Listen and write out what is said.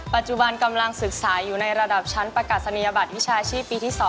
ปัจจุบันกำลังศึกษาอยู่ในระดับชั้นประกาศนียบัตรวิชาชีพปีที่๒